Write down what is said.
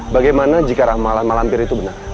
bagaimana jika ramadhan malam piri itu benar